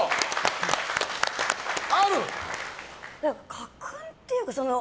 家訓っていうか。